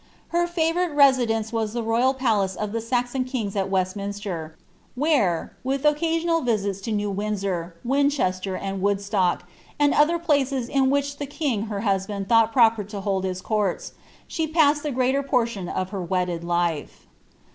Her favourite residence was tlie royal pdare o( the Saxon kings at Westminster, where, with occasional visits to N(w Windsor, Winchester, and Woodslork. and other places in which ikt king her busbaml thought proper lo hold his couild, ahe paaaed dw greater portion of her wedded life.